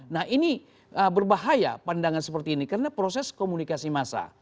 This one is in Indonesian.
nah ini berbahaya pandangan seperti ini karena proses komunikasi massa